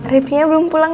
rivki nya belum pulang